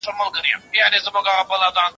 عطار وځغستل ګنجي پسي روان سو